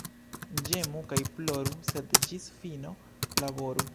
Ĝemu kaj ploru, sed ĝis fino laboru.